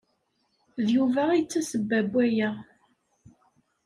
D Yuba ay d tasebba n waya.